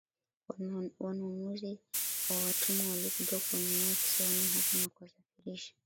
Wanunuzi wa watumwa walikuja kuwanunua kisiwani hapo na kuwasafirisha